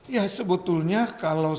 ya sebetulnya kalau